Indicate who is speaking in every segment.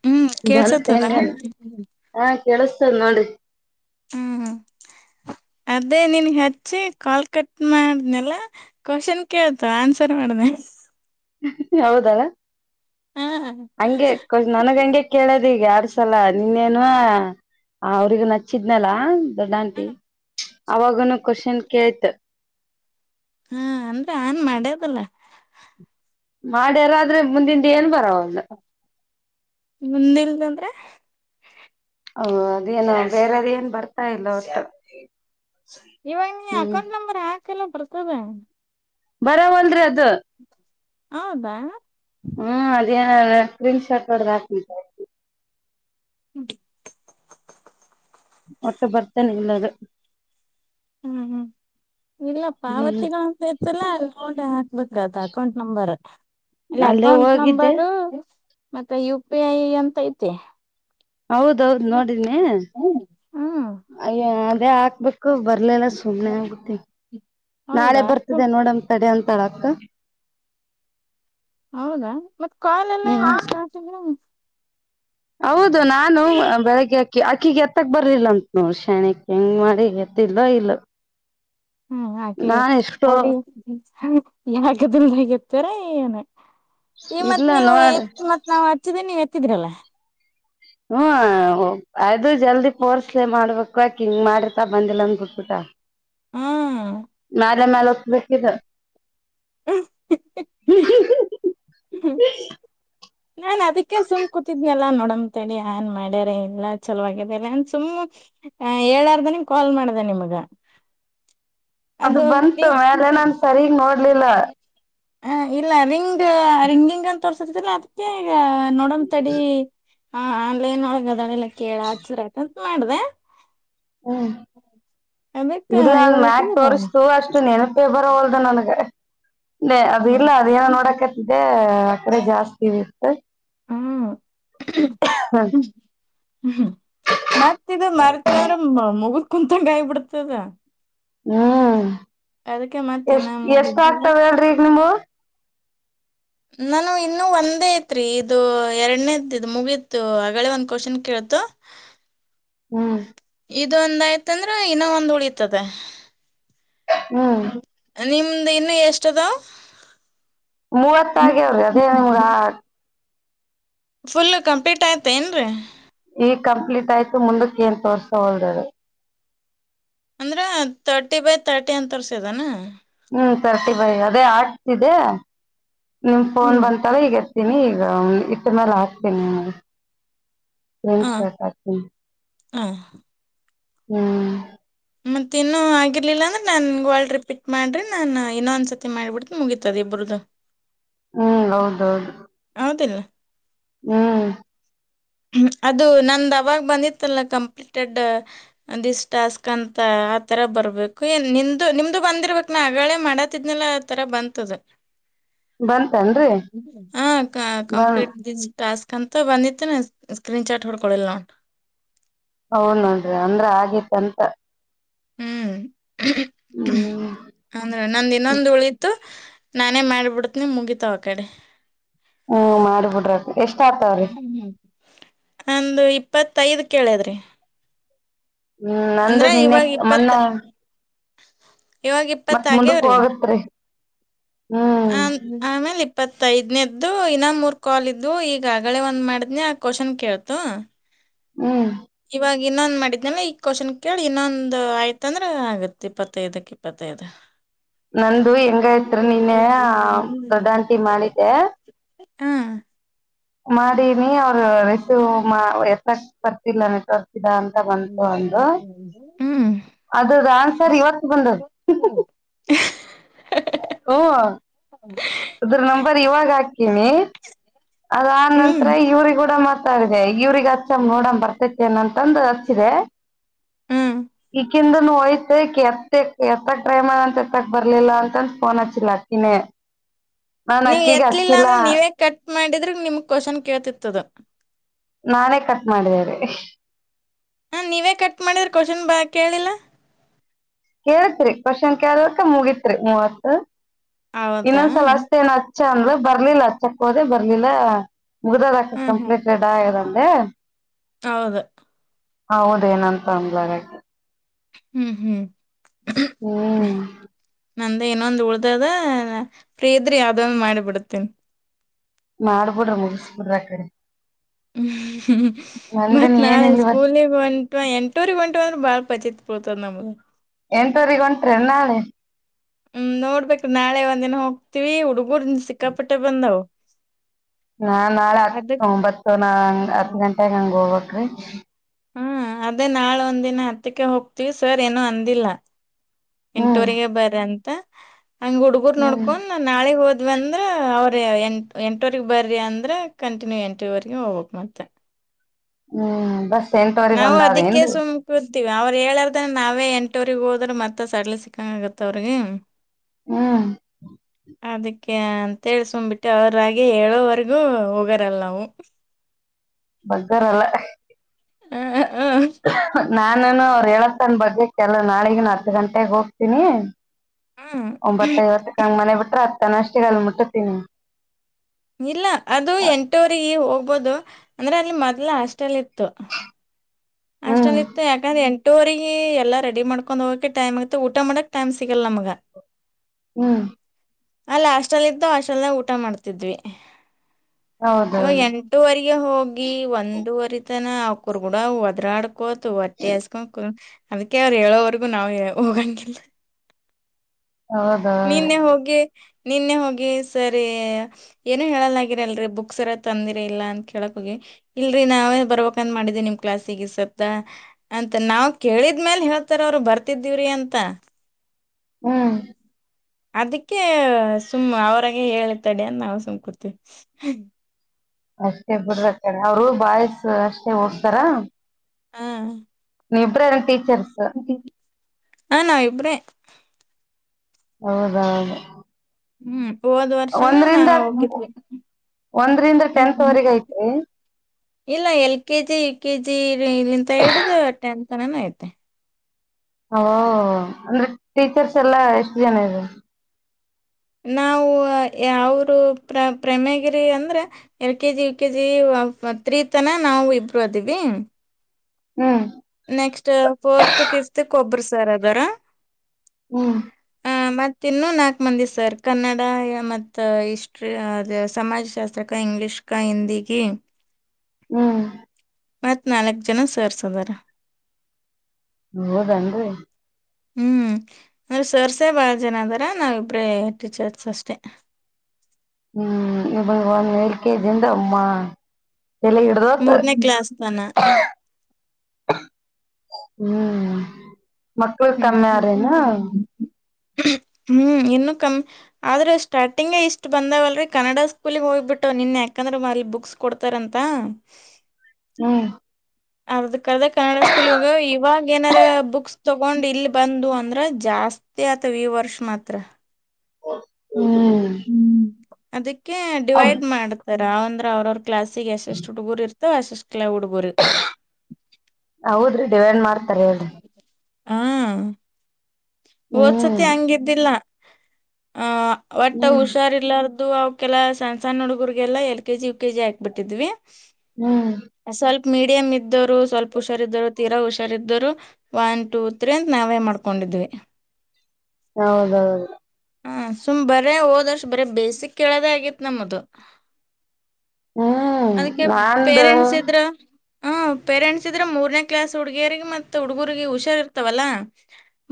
Speaker 1: ಹ
Speaker 2: ಬಂತ ಹೆಂಗಣ್ಣ ಹ ಕೆಳಸ್ತರ್ ನೋಡ್ರಿ
Speaker 1: ಹ್ಮ್ ಅದೇ ನಿನ್ಗ್ ಹಚ್ಚಿ ಕಾಲ್ ಕಟ್ ಮಾಡ್ನೆಲ್ಲ ಕ್ವಶನ್ ಕೇಳ್ತ ಆನ್ಸರ್ ಮಾಡ್ದೆ
Speaker 2: ಯಾವದಾರ
Speaker 1: ಹ
Speaker 2: ಹಂಗೆ ನನಗ ಹಂಗೆ ಕೇಳದ್ ಈಗ ಎರಡ್ ಸಲ ನಿನ್ನೇನು ಅವ್ರಗ್ ನಚ್ಚಿದ್ನಲ ದೊಡ್ ಆಂಟಿ ಅವಾಗನು ಕ್ವೆಶ್ಚನ್ ಕೇಳ್ತ್
Speaker 1: ಹಾ ಅಂದ್ರೆ ಆನ್ ಮಾಡ್ಯದಲ್ಲ
Speaker 2: ಮಾಡ್ಯಾರಾದ್ರೆ ಮುಂದಿಂದ ಏನ್ ಬ
Speaker 1: ಮುಂದಿಲ್ದಂದ್ರೆ
Speaker 2: ಹಓ ಅದೇನ ಬೇರೆದ ಏನ್ ಬರ್ತಾ ಇಲ್ಲ ಹೊತ್ತು
Speaker 1: ಇವಾಗ ನೀ ಅಕೌಂಟ್ ನಂಬರ್ ಆ ಹಾಕಲ್ಲ ಬರ್ತವೆ
Speaker 2: ಬರವಲ್ರೀ ಅದ್ ಅದ
Speaker 1: ಹೌದಾ
Speaker 2: ಹ್ಮ್ ಅದನ ರಿಫೆರೆನ್ಸ್ ಶಾಟ್ ಒ ಹಾಕ
Speaker 1: ಹ್ಮ್ದ್
Speaker 2: ಒಟ್ಟ ಭರ್ತ್ತನ್ ಇಲ್ಲದು
Speaker 1: ಹ್ಮ್ ಹ್ಮ್ ಇಲ್ಲ
Speaker 2: ಹ್ಮ್
Speaker 1: ಪಾವತಿಗಳ ಸೇರ್ತಲ್ಲ ಅಮೌಂಟ್ ಹಾಕ್ಬೇಕತ್ ಅಕೌಂಟ್ ನಂಬರ್ ಅಲ್ಲಾ
Speaker 2: ಅಲ್ಲೇ
Speaker 1: ಅಕೌಂಟ್
Speaker 2: ಹೋಗಿದ್ದೆ
Speaker 1: ನಂಬರು ಮತ್ತೆ ಯು ಪಿ ಐ ಅಂತ ಐತೆ
Speaker 2: ಹೌದೌದ್ ನೋಡಿನಿ
Speaker 1: ಹ್ಮ್
Speaker 2: ಅಯ್ಯ ಅದೇ ಹಾಕ್ಬೇಕು ಬರ್ಲಿಲ್ಲ ಸುಮ್ನೆ ಆಗುತ್ತತಿ ನಾಳೆ
Speaker 1: ಹೌದಾ
Speaker 2: ಬರ್ತದೆ ನೋಡಮ್ ತಡೆ ಅಂತಳ ಕ
Speaker 1: ಹೌದಾ ಮತ್ತ್ ಕಾಲೆಲ್ಲ ಸ್ಟಾರ್ಟ್ಲ್ಲ
Speaker 2: ಹೌದು ನಾನು ಬೆಳಗ್ಗೆ ಅಕ್ಕಿ ಅಕ್ಕಿಗೆ ಬಿತಕ್ ಬರ್ಲಿಲ ಅಂತ್ ನೋಡು ಶ್ಯಣ್ಯಕ್ ಹೆಂಗ್ ಮಾಡಿ ಗೊತ್ತಿಲ್ಲೊ ಇಲ್ಲೋ?
Speaker 1: ಹ್ಮ್, ಹಾಗೆ ನ [unintelligible] ಯಗದಿಲ್ಲ ಹಗತ್ತರ ಏನು [unintelligible] ಈ ಮತ್
Speaker 2: ಇಲ್ಲ
Speaker 1: ನೀವು,
Speaker 2: ನೋಡ್
Speaker 1: ಮತ್ ನಾವು ಹಚ್ಚಿದೇ ನೀ ತ್ತೀದರಲ್ಲ [unintelligible]
Speaker 2: ಹ್ಮ ಆ [unintelligible] ಅದು ಜಲ್ದಿ ಫೋರ್ಸ್ಲೇ ಮಾಡ್ಬೇಕು. ಪ್ಯಾಕಿಂಗ್ ಮಾಡರ್ತಾ ಬಂದಿಲ್ಲ ಅಂದ ಬಿಟ್ಬಿಟ್ಟಾ?
Speaker 1: ಹಾ
Speaker 2: ಮ್ಯಾಲೆ ಮೇಲೆ ಒತ್ಬೇಕಿದ್ದ
Speaker 1: [unintelligible]
Speaker 2: ಹ್ಮ್ ಹ್ಮ್ ಹ [unintelligible]
Speaker 1: ನಾನ್ ಅದಕ್ಕೆ ಸುಮ್ ಕೂತಿದ್ನಲ್ಲಾ ನೋಡಮಂತ ಹೇಳಿ ಆನ್ ಮಾಡ್ಯಾರ ಇಲ್ಲ ಚಲೋವಾಗಿದರೆ ಅಂತ್, ಸುಮ್ ಹೇಳ್ಲಾರ್ದೇನೆ ಕಾಲ್ ಮಾಡ್ದೆ ನಿಮಗ.
Speaker 2: ಅದು ಬಂತು, ಆದ್ರೆ ನಾನ್ ಸರಿಗ್ ನೋಡ್ಲಿಲ್ಲ.
Speaker 1: ಹ ಇಲ್ಲ, ರಿಂಗ್ ಆ ರಿಂಗಿಂಗ್ ಅಂತ ತೋರಸ್ತಿತಲ್ಲ ಅದು ಹ [unintelligible] [unintelligible] ನೋಡಂ ತಡಿ ಹಾ ಆನ್ಲೈನ್ ಅಗ್ ಅದಾಳಲ್ಲ ಕೇಳಾರ ಆಯತಾ [unintelligible] ಮಾಡ್ದ
Speaker 2: ಹ್ಮ್. ಇದು ಅಲ್
Speaker 1: ಇವಾಗ
Speaker 2: ಮ್ಯಾಗ
Speaker 1: ಹಚ್ಚಿದಿ ಬಾಳ
Speaker 2: ತೋರಿಸ್ತು, ಅಷ್ಟು ನೆನಪ ಪೇಪರ್ ಓದನ [unintelligible] [unintelligible] ಲೇ ಅದು ಇಲ್ಲ, ಅದು ಏನೋ ನೋಡಕತ್ತಿದ್ದೆ ಡೆ [unintelligible] ಜಾಸ್ತಿ ಇತ್ತು.
Speaker 1: ಹ್ಮ್
Speaker 2: [unintelligible]
Speaker 1: ಹ್ಮ್. ಮತ್ ಇದು ಮರತ್ಯಾರು ಮಗು ಕುಂತಂಗ್ ಆಗ್ ಬಿಡ್ತದ
Speaker 2: ಹ್ಮ್
Speaker 1: ಮತ್ತ ಇನ್ನ
Speaker 2: ಎಷ್ಟ್, ಎಷ್ಟ್
Speaker 1: ಮುಗಿದ್ದು
Speaker 2: ಆಗ್ತವ ಹೇಳ್ರಿ, ಈಗ ನಿಮ್ಮವು?
Speaker 1: ನಾನು ಇನ್ನು ಒಂದೇ ಐತ್ರಿ. ಇದು ಎರಡನೇದ್ ಇದ್ ಮುಗೀತು, ಆಗಲೇ ಒಂದ್ ಕ್ವಶನ್ ಕೇಳತು
Speaker 2: ಹ್ಮ್
Speaker 1: ಇದು ಒಂದು ಆಯ್ತಂದ್ರ ಇನ್ನ ಒಂದ್ ಉಳಿತದ್ದ.
Speaker 2: [unintelligible] ಹ್ಮ್
Speaker 1: ನಿಮ್ದ್ ಇನ್ನು ಎಷ್ಟದ?
Speaker 2: ಮೂವತ್ತಾಗ್ಯ ಅವ್ರಿ ಅದೇ ನಿಮರ ಆ
Speaker 1: ಫುಲ್ ಕಂಪ್ಲೀಟ್ ಆಯ್ತಾ ಏನ್ರೀ
Speaker 2: ಈ ಕಂಪ್ಲೀಟ್ ಆಯ್ತು ಮುಂದಕ್ಕೆ ಏನ್ ತೋರ್ಸೋ ಹೊಲ್ದದು
Speaker 1: ಅಂದ್ರ ತರ್ಟಿ ಬೈ ತರ್ಟಿ ಅಂತ ತರ್ಸಿದಾನ
Speaker 2: ಹ್ಮ್ ಸರ್ಟಿ ಬೈ ಅದೇ ಆಟ್ಸ್ ಇದೆ ನಿಮ ಫೋನ್
Speaker 1: ಹ್ಮ್
Speaker 2: ಬಂತಲ್ಲ ಈಗ ಇರ್ತೀನಿ ಈಗ ಮ ಮೇಲೆ ಹಾಕ್ತೀನಿ ನಗೆ ಟ್ ಶತಾತ
Speaker 1: ಹಾ [unintelligible]
Speaker 2: ಹ್ಮ್
Speaker 1: ಮತ್ತ ಇನ್ನೂ ಆಗಿರ್ಲಿಲ್ಲ ಅಂದ್ರೆ ನನ್ಗೆ ಒಳ ರಿಪೀಟ್ ಮಾಡ್ರಿ ನಾನು ಇನ್ನೊ ಒಂದ್ಸರ್ತಿ ಮಾಡಿಬಿಡ್ ಮುಗತದ ಇಬ್ರದ್ದು
Speaker 2: ಹ್ಮ್ ಹೌದೌದು ಹ್ಮ್
Speaker 1: ಅದು ನಂದ ಅವಾಗ ಬಂದಿತ್ತಲ್ಲ ಕಂಪ್ಲೀಟೆಡ್ ದಿಸ್ ಟಾಸ್ಕ್ ಅಂತ ಆತರ ಬರ್ಬೇಕು ಏ ನಿಮ್ದು ನಿಮ್ದು ಬಂದಿರ್ಬೇಕಕ್ ನಾ ಆಗಳೇ ಮಾಡತಿದ್ನಲ್ಲ ಆತರ ಬಂತದ
Speaker 2: ಬಂತನ್ರಿ
Speaker 1: ಹಾ
Speaker 2: ಬನ್
Speaker 1: ಕಂಪೇಟ್ [unintelligible] ಸ್ಕಂತ ಬಂದಿತೇನೆ ಸ್ಕ್ರೀನ್ ಚಾಟ್ ಹೊೋಡ್ ಕೊಳ್ಳ ನಾ [unintelligible]
Speaker 2: ಹೌ ನೋಡ್ರಿ ಅಂದ್ರ ಆಗಿತ್ತಂತ
Speaker 1: ಹ್ಮ್
Speaker 2: ಹ್ಮ್
Speaker 1: ಅಂದ್ರೆ ನಂದಿ ಇನ್ನೊಂದು ಉಳಿತ್ತು ನಾನೇ ಮಾಡಿಬಿಡತ್ನಿ ಮುಗಿತಾವ ಆ ಕಡೆ
Speaker 2: ಹ್ಮ್ ಮಾಡ್ಬಿಡ್ರ ಎಷ್ಟ ಆಗ್ತವ್ರಿ
Speaker 1: ಒಂದು ಇಪ್ಪತ್ತೈದ ಕೇಳದ್ರಿ
Speaker 2: ಹ್ಮ್ ನಂದು
Speaker 1: ಅಂದ್ರ
Speaker 2: ನಿನ್ನೆ
Speaker 1: ಇವಾಗ್
Speaker 2: ಮೊನ್ನೆ
Speaker 1: ಇವಾಗ ಇಪ್ಪತ್ತ
Speaker 2: ಮತ್ ಮುಂದಕ್
Speaker 1: ಆಗ್ಯವ್ರಿ
Speaker 2: ಹೋಗತ್ರಿ ಹ್ಮ್
Speaker 1: ಆಮೇಲೆ ಇಪ್ಪತ್ತೈದ್ನೇದ್ದು ಇನ್ನ ಮೂರ್ ಕಾಲ್ ಇದ್ವು ಈಗ ಆಗಳೇ ಒಂದ್ ಮಾಡಿದ್ನ ಆ ಕ್ವಶನ್ ಕೇಳ್ತು
Speaker 2: ಹ್ಮ್
Speaker 1: ಇವಾಗ ಇನ್ನೊಂದ್ ಮಾಡಿದ್ನಲ್ಲ ಈ ಕ್ವಶನ್ ಕೇಳಿ ಇನ್ನೊಂದು ಆಯ್ತಂದ್ರೆ ಆಗತ್ ಇಪ್ಪತ್ತೈದಕ್ ಇಪ್ಪತ್ತೈದು
Speaker 2: ನಂದು ಹೆಂಗಯತ್ರಿ ನೀನ್ನ ದೊಡಾಂತಿ ಮಾಡಿದ್ದೆ
Speaker 1: ಹ್ಮ್
Speaker 2: ಮಾಡಿನಿ ಅವ್ರ ರಸವ್ ಮಾ ಎಸಕ್ ಬರ್ತಿಲ್ಲ ನಿ ಅಂತ ಬಂತಂತು ಒಂದು
Speaker 1: ಹ್ಮ್
Speaker 2: ಅದ್ರ್ದ ಆನ್ಸರ್ ಇವತ್ತು ಬಂದ
Speaker 1: ಹ [unintelligible]
Speaker 2: ಅದ್ರ ನಂಬರ್ ಇವಾಗ ಹಾಕೀನಿ ಅದ
Speaker 1: ಹ್ಮ್
Speaker 2: ನಂತರ ಇವ್ರಿ ಕೂಡ ಮತ್ತ [unintelligible] ದೆ ಇವ್ರಿಗೆ [unintelligible] ನೋಡ ಬರ್ತೈತಿ ಅನಂತಂದು ರ [unintelligible]
Speaker 1: ಹ್ಮ್
Speaker 2: ಇ [unintelligible] ಅಕಿಂದುನು ಹೋಯ್ತು ಎತ್ ಎತ್ತಕ್ ಡ್ರೈಮರ್ ಅಂತ ಎತ್ತಕ್ ಬರ್ಲಿಲ್ಲ ಅಂತಂದ ಫೋನ್ ಹಚ್ಚಿಲ್ಲ ಅದ್ಕಿನೇ ನಾ
Speaker 1: ನೀವ್
Speaker 2: ಅಕಿಗಿ
Speaker 1: ಎತ್ಲಿಲ್ಲ
Speaker 2: ಅಚ್ಚಿಲ್ಲ
Speaker 1: ಅಂದ್ರ ನೀವೇ ಕಟ್ ಮಾಡಿದ್ರ ನಿಮಗ್ ಕ್ವಶನ್ ಕೇಳ್ತಿತ್ತದ
Speaker 2: ನಾನೇ ಕಟ್ ಮಾಡಿದ್ದೇನೆ ರೀ
Speaker 1: ಹಾ ನೀವೇ ಕಟ್ ಮಾಡಿದ್ರ ಕ್ವಶನ್ ಬಾಳ ಕೇಳಿಲ್ಲ
Speaker 2: ಕೇಳ್ತ್ರಿ ಕೋಶನ್ ಕೆಲಕ ಮುಗಿತ್ರಿ ಮೂವತ್
Speaker 1: ಹೌದಾ
Speaker 2: ಇನ್ನೊಂದ್ ಸಲ ಅಸ್ತ್ ಏನ ಚಂದ್ರ ಬರ್ಲಿಲ್ಲ ಅಚ್ಚಕೊದೆ ಬರ್ಲಿಲ್ಲ ಮುಗ್ದದಾದ ಅಕ್ಕ
Speaker 1: ಹ್ಮ್ ಹ್ಮ್
Speaker 2: ಕಂಪ್ಲೀಟೆಡ್ ಆಗೆದ ಲೇ
Speaker 1: ಹೌದು
Speaker 2: ಹೌದೇಏನಂತ ಅಂದ್ಲುಗ್ ಅಕಿ
Speaker 1: ಹ್ಮ್ ಹ್ಮ್
Speaker 2: ಹ್ಮ್
Speaker 1: ನಂದ ಇನ್ನೊಂದು ಉಳ್ದದ ಫ್ರೀ ಇದ್ರಿ ಯಾವುದೊಂದು ಮಾಡಿ ಬಿಡ್ತೀನಿ
Speaker 2: ಮಾಡ್ಬಿಡ್ರಿ ಮುಗಿಸಿಬಿಡ್ರಿ ಆ ಕಡಿ
Speaker 1: ಹ್ಮ ಹ್ಮ್ ಮತ್ ನಾಳೆ
Speaker 2: ಏನಿಲ್ಲ ಇವತ್
Speaker 1: ಸ್ಕೂಲಗ್ ಹೊಂಟಿವ ಎಂಟೂವರಿಗ ಹೊಂಟವ ಅಂದ್ರೆ ಬಾಳ್ ಪಜಿತ್ ಪುಳ್ತದ್ ನಮ್ದು
Speaker 2: ಎಂಟು ವರಿಗಿ ಹೊಂಟ್ರಿ ಏನ್ ನಾಳೆ
Speaker 1: ಹ್ಮ್ ನೋಡ್ಬೇಕು ನಾಳೆ ಒಂದಿನ ಹೋಗ್ತತಿವಿ ಹುಡು ಹೋದ್ನ ಸಿಕ್ಕಾಪಟ್ಟೆ ಬಂದವು
Speaker 2: ನಾ ನಾಳೆ ಹತ್ತು
Speaker 1: ಅದಕ್
Speaker 2: ಒಂಬತ್ತು ನಾ ಹತ್ತು ಗಂಟೆಗ ಹಂಗ ಹೋಗ್ಬೇಕ್ ಕಚ್
Speaker 1: ಹ್ಮ್ ಅದೇ ನಾಳೆ ಒಂದಿನ ಹತ್ತಕ್ಕೆ ಹೋಗ್ತಿವಿ ಸರ್ ಏನ ಅಂದಿಲ್ಲ
Speaker 2: ಹ್ಮ್
Speaker 1: ಎಂಟೊರಿಗೆ ಬರ್ರಿ ಅಂತ ಹಂಗ್ ಹುಡಗುರ್
Speaker 2: ಹ್ಮ್
Speaker 1: ನೋಡ್ಕೊಂಡ ನಾಳೆ ಹೋದ್ ಅಂದ್ರ ಅವ್ರ ಎಂ ಎಂಟವರೆಗ ಬರ್ರಿ ಅಂದ್ರ ಕಂಟಿನ್ಯೂ ಎಂಟುವರೀಗ ಹೋಗ್ಬೇಕ ಮತ್ತ
Speaker 2: ಹ್ಮ್ ಬಸ್ ಎಂಟವರೆಗ್
Speaker 1: ನಾವು
Speaker 2: ಒಂದ್
Speaker 1: ಅದಕ್ಕೆ
Speaker 2: ಅದೇನ್ರಿ
Speaker 1: ಸುಮ ಕುಂತೀವಿ ಅವ್ರ ಹೇಳಾರ್ದನ್ ನಾವೇ ಏನ್ ಎಂಟುವರಿಗ್ ಹೋದ್ರೆ ಮತ್ತ ಸಡ್ಲಾ ಸಿಕ್ಕಂಗ ಆಗತ್ತ ಅವ್ರಿಗೆ
Speaker 2: ಹ್ಮ್
Speaker 1: ಏ ಅಂತೀವಿ ಸುಮ್ ಬಿಟ್ಟಿವಿ ಅವ್ರಾಗೆ ಹೇಳೋವರೆಗೂ ಹೋಗರಲ್ ನಾವು
Speaker 2: ಬಗ್ಗೋರಲ್ಲ
Speaker 1: ಹ ಹ
Speaker 2: ನಾನುನು ಅವರು ಹೇಳತಾನ್ ಬಗ್ಗಕಿ ಅಲ್ಲ ನಾಳಿಗಿ ಹತ್ತು ಗಂಟೆಗಿ ಹೋಗ್ತೀನಿ
Speaker 1: ಹ್ಮ್.
Speaker 2: ಒಂಬತ್ತೈವತ್ತಕ್ಕ ಹಂಗ ಮನೆ ಬಿಟ್ರ ತಾನ ಅಷ್ಟಿಗೆ ಅಲ್ ಮುಟ್ಟುತ್ತೀನಿ
Speaker 1: ಇಲ್ಲ ಅದು ಎಂಟವರಿಗೆ ಹೋಗ ಹೋಗಬೋದು ಅಂದ್ರೆ ಅಲ್ಲಿ ಮೊದ್ಲ ಅಷ್ಟಲ್ಲಿ ಇತ್ತು
Speaker 2: ಹ್ಮ್
Speaker 1: ಅಷ್ಟಟಲ್ಲಿತು ಎಧಿನ [unintelligible] ಟೋರಿಗೆ ಎಲ್ಲಾ ರೆಡಿ ಮಾಡ್ಕೊಂಡ್ ಹೋಗಕಕ್ಕೆ ಟೈಮ್ ಆಗತ್ತೆ ಊಟ ಮಾಡಕ್ ಟೈಮ್ ಸಿಗಲ್ಲ ನಮ್ಗ
Speaker 2: ಹ್ಮ್
Speaker 1: ಅಲ್ಲ ಅಸ್ಟಲ್ ಇದ್ದು ಆಸ್ಲ್ ಊಟ ಮಾಡ್ತಿದ್ವಿ ಇವ
Speaker 2: ಹೌದೌದು
Speaker 1: ಎಂಟವರೆಗೆ ಹೋಗಿ ಒಂದೂವರಿ ತನ [unintelligible] ಗುಣ ದೃಾಡ [unintelligible] ಕತ್ತುು ಒೆ [unintelligible] ಅಜಕ ಅದಕ್ಕೆ ಅವ್ರು ಹೇಳೋವರೆಗೂ ನಾವವು ಹೋಗಂಗಿಲ್ಲ
Speaker 2: ಹೌದೌದ್ರಿ
Speaker 1: ನಿನ್ನೆ ಹೋಗಿ ನಿನ್ನೆ ಹೋಗಿ ಸರಿ ಏನು ಹೇಳಲ್ಗರ ಅಲ್ರರಿ ಬುಕ್ಸ್ ಎಾರ ತಂದಿರ ಇಲ್ಲ ಅಂತ ಕೇಳಕ್ ಹೋಗಿ ಇಲ್ರಿ ನಾವೇ ಬರ್ಬಕ್ಂದ ಮಾಡಿದ ನಿಮ್ ಕ್ಲಾಸಿಗೆ ಸವತ ಅಂತ ನಾವವು ಕೇಳಿದ್ಮೇಲ್ ಹೇಳ್ತಾರ ಅವರು ಬರ್ತಿದೀವ್ರಿ ಅಂತ
Speaker 2: ಹ್ಮ್
Speaker 1: ಅದಕ್ಕೆ ಸುಮ್ಮ ಅವ್ರಾಗ ಹೇಳತಡ ಅಂತ ನಾವು ಸುಮ್ಕೂತೇವಿ
Speaker 2: ಅಷ್ಟೇ ಬಿಡದ ಕಡೆ ಅವರು ಬಾಯ್ಸ್ ಅಷ್ಟೇ ಓಡ್ತಾರ
Speaker 1: ಹಾ [unintelligible]
Speaker 2: ನೀ ಇಬರ ನ್ ಟೀಚರ್ಸ್
Speaker 1: ಹಾ ನಾ ಇಬ್ರೇ
Speaker 2: ಹೌದ ಹೌದು
Speaker 1: ಹ್ಮ್ ಹೋದ್ ವರ್ಷನ
Speaker 2: ಒಂದ್ರಂದ
Speaker 1: ನಾವ್ ಹೋಗಿದ್ವಿ
Speaker 2: ಒಂದ್ರಂದ
Speaker 1: ಹ್ಮ್
Speaker 2: ಟೆಂತ್ವರೆಗ ಐತ್ರಿ
Speaker 1: ಇಲ್ಲ L K G U K G ಇಲ್ಲಿಂತ ಹೇಳುದುದು ಟತ್ ತನಾನ ಐತೆ
Speaker 2: ಅಂದ್ರೆ ಟೀಚರ್ಸ್ ಎಲ್ಲಾ ಎಷ್ಟು ಜನ ಇದೆ
Speaker 1: ನಾವು ಅವರು ಪ್ರ ಪ್ರಮಗಿರಿ ಅಂದ್ರೆ L K G U K G three ತನ ನಾವು ಇಬ್ಬರು ಅದವಿ
Speaker 2: ಹ್ಮ್
Speaker 1: ನೆಕ್ಸ್ಟ್ ಫೋರ್ತ್ ಫಿಫತ್ ಕೊಬ್ಬ್ರ ಸರ್ ಅದಾರ
Speaker 2: ಹ್ಮ್
Speaker 1: ಆ ಮತ್ತ ಇನ್ನೂ ನಾಲ್ಕು ಮಂದಿ ಸರ್ ಕನ್ನಡ ಮತ್ತ ಇಷ್ಟ್ಟ್ರಿ ಅದು ಸಮಾಜಶಾಸ್ತ್ರಕ್ಕೆ ಇಂಗ್ಲೀಷ್ಗೆ ಹಿಂದಿಗ
Speaker 2: ಹ್ಮ್
Speaker 1: ಮತ್ ನಾಲ್ಕ್ ಜನ ಸೇರ್ಸದಾರ
Speaker 2: ಹೌದನ್ರಿ
Speaker 1: ಹ್ಮ್ ಅಂದ್ರೆ ಸರ್ಸೇ ಬಹಳ ಜನ ಅದಾರ ನಾವಿಬ್ರೇ ಟೀಚರ್ಸ್ ಅಷ್ಟೆ
Speaker 2: ಹ್ಮ್ ಇವ ಒಂದ ಎಏಳ ಕೆೇ ಜಿಂತ ಅಮ್ಮ ಎಲ್ಲ ಇಡದಸ
Speaker 1: ಮೂರನೇ ಕ್ಲಾಸ್ ತನ
Speaker 2: ಹ್ಮ್ ಮಕ್ಕಳ
Speaker 1: ಹ್ಮ್
Speaker 2: ಕಮ್ಮಿ ಅರೆನಾ
Speaker 1: ಹ್ಮ್ ಇನ್ನು ಕಮ್ಮಿ ಆದ್ರೆ ಸ್ಟಾರ್ಟಿಂಗ್ ಇಷ್ಟ್ ಬಂದಾವಲ್ರಿ ಕನ್ನಡ ಸ್ಕೂಲ್ಗೆ ಹೋಗ್ಬಿಟ್ಟವ ನಿನ್ ಯಾಕಂದ್ರ ಮಲ್ಲಿ ಬುಕ್ಸ್ ಕೊಡ್ತಾರಂತ
Speaker 2: ಹ್ಮ್
Speaker 1: ಅದ ಕದ ಕನ್ನಡ ಸ್ಕೂಲ್ ಹೋಗ್ಯ ಇವಾಗ ಏನಾರ ಬುಕ್ಸ್ ತಗೊಂಡ್ ಇಲ್ಲಿ ಬಂದು ಅಂದ್ರ ಜಾಸ್ತಿ ಆತವ ಈ ವರ್ಷ ಮಾತ್ರ
Speaker 2: ಹ [unintelligible] ಹ್ಮ್
Speaker 1: ಅದ [unintelligible] ಡಿವೈಡ್ ಮಾಡ್ತಾರೆ ರಾವ್ಂದ್ರ ಅವ್ರ ಕ್ಲಾಸಿಗೆ ಎಷ್ಟುಡುಗರು ಇತ ವಸಿಸಕಲ್ಲ ಡುಬೋರು
Speaker 2: ಹೌದ್ರೀ ಡಿ ಏನ್ ಮಾಡ್ತಾರೆ ಹೇಳಿ
Speaker 1: ಹಾ ಓದ್ಸತಿ
Speaker 2: ಹ್ಮ್
Speaker 1: ಹಂಗಿದ್ದಿಲ್ಲ ಆ [unintelligible] ಒಟ್ಟ
Speaker 2: ಹ್ಮ್
Speaker 1: ಹುಷಾರ್ಲ್ಲಾರ್ದು [unintelligible] ದು ಅವ ಕೆಲ ಸಣ ಸಣ್ಣ ಹುಡುಗರ್ರಿಗೆಲ್ಲ L K G U K G ಹಾಕ್ ಬಿಟ್ಟಿದ್ವಿ
Speaker 2: ಹ್ಮ್
Speaker 1: ಮೀಡಿಯ ಮ ಇದ್ದೋರು ಸ್ವಲ್ಪ ಹುಷಾರ ಇದರು ತೀರಾ ಹುಷಾರಿದ್ದರು ಒನ್ ಟೂ ತ್ರೀ ಅಂತ ನಾವೇ ಮಾಡ್ಕೊಂಡಿದ್ವಿ
Speaker 2: ಹೌದೌದು
Speaker 1: ಹ ಸುಮ್ ಬರೇ ಹೋದ ವರ್ಷ ಬರೀ ಬೇಸಿಕ್ ಕೇಳದೇ ಆಗೇತ್ ನಮ್ಮದು
Speaker 2: ಹ್ಮ್
Speaker 1: ಅದಕ್ಕೆ
Speaker 2: ನಂದು
Speaker 1: ಪೇರೆಂಟ್ಸ್ ಇದ್ರ ಹ ಪೇರೆಂಟ್ಸ್ ಇದ್ರೆ ಮೂರನೇ ಕ್ಲಾಸ್ ಹುಡ್ಗಿಯರಿಗೆ ಮತ್ತೆ ಹುಡ್ಗರಿಗೆ ಹುಷಾರ ಇರ್ತವಲ್ಲ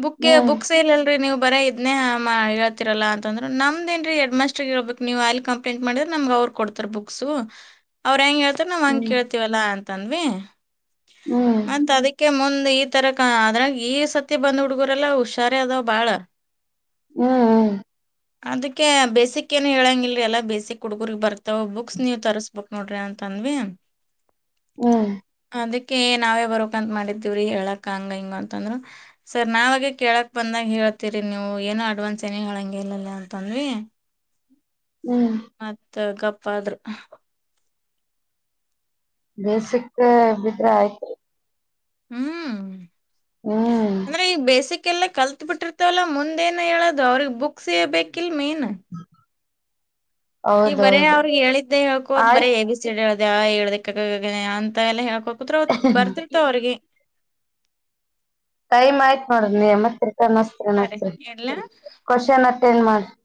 Speaker 1: ಬುಕ್
Speaker 2: ಹ್ಮ್
Speaker 1: ಬುಕ್ಸ್ ಇಲ್ಲಲ್ರರಿ ನೀವು ಬರ ಇದನ್ನೇ ಮಾ ಹೇಳ್ತಿರಲ್ಲ ಅಂತಂದ್ರೆ ನಮ್ದೇನ್ ರಿ ಹೆಡ್ ಮಾಸ್ಟರ್ ಹೇಳ್ಬೇಕು ನೀವು ಅಲ್ಲಿ ಕಂಪ್ಲೇಂಟ್ ಮಾಡಿದ್ರೆ ನಮ್ಗೆ ಅವ್ರು ಕೊಡ್ತಾರ ಬುಕ್ಸ್ ಅವ್ರ ಹೆಂಗ ಇದ್ರ ನಾವ್ ಹಂಗಗೆ
Speaker 2: ಹ್ಮ್
Speaker 1: ಕೇಳ್ತೀವಲ್ಲ ಅ ತನ್ವೇ
Speaker 2: ಹ್ಮ್
Speaker 1: ಮತ್ತ ಅದಕ್ಕೆ ಮುಂದ ಈ ತರ ಕಾ ಅದರಾಗ ಇಸಾತಿ ಬಂದ್ ಹುಡುಗ ಅವ್ರಲ್ಲ ಹುಷಾರ ಅದಾವ ಬಾಳ
Speaker 2: ಹ್ಮ್ ಹ್ಮ್
Speaker 1: ಅದಕ್ಕೆ ಬೇಸಿಕ್ ಏನು ಹೇಳಂಗಲ್ರಿ ಅಲ್ಲ ಬೇಸಿಕ್ ಹುಡ್ಗರ್ರಿಗೆ ಬರ್ತಾವ ಬುಕ್ಸ್ ನೀವು ತರಿಸಸ್ಬೇಕಕ್ ನೋಡ್ರಿ ಅಂತಂದ್ವಿ
Speaker 2: ಹ್ಮ್
Speaker 1: ಅದಕ್ಕೆ ನಾವೇ ಬರಕ್ ಅಂತ ಮಾಡಿದ್ದೀವ್ರಿ ಹೇಳಕ್ ಹಂಗ ಹಿಂಗ ಅಂತಂದ್ರು ಸರ್ ನಾವ ಹಾಗೆ ಕೇಳಕ್ ಬಂದಾಗ ಹೇಳ್ತೀರಿ ನೀವು ಏನೋ ಅಡ್ವಾನ್ಸ್ ಏನ ಹೇಳಂಗಗೆ ಇಲ್ಲಲ್ಲಿ ಅಂತಂದ್ವಿ
Speaker 2: ಹ್ಮ್
Speaker 1: ಗಪ್ಪ ಅ [unintelligible] ಆದ್ರ
Speaker 2: ಬೇಸಿಕ್ ಬಿದ್ರ ಆಯ್ತ್ರಿ
Speaker 1: ಹ್ಮ್
Speaker 2: ಹ್ಮ್
Speaker 1: ಅಂದ್ರೆ ಈಗ ಬೇಸಿಕ್ ಎಲ್ಲ ಕಲ್ತ್ ಬಿಟ್ಟಿರ್ತವಲ್ಲ ಮುಂದೇಏನು ಹೇಳೋದು ಅವ್ರಿಗೆ ಬುಕ್ಸ್ ಇ ಬೇಕಿಲ್ ಮೇನ್
Speaker 2: ಹ್ಮ
Speaker 1: ಈಗ ಬರೇ ಅವ್ರಿಗೆಗೆ ಹೇಳಿದಿದ್ದೆ ಹೇಳ್ಕೋದ ಬರೇ
Speaker 2: ಆಯ್ತ್
Speaker 1: ಎ ಬಿ ಸಿ ಹೇಳ [unintelligible] ಕತ್ರ ಹೊ ಬರ್ತಿರ್ತ ಅವ್ರಿಗೆ
Speaker 2: ಟೈಮ್ ಆಯ್ತು ನೋಡನಿ ಮತ್ತೆ
Speaker 1: ಹಾಂ ರೀ ಇಡ್ಲಾ
Speaker 2: ಕ್ವನ್ ಅಟೆಂಡ್ ಮಾಡ ಹಾ [unintelligible]